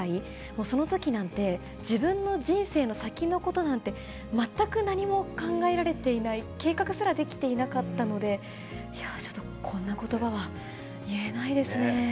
もうそのときなんて、自分の人生の先のことなんて、全く何も考えられていない、計画すらできていなかったので、いやぁ、ちょっとこんなことばは言えないですね。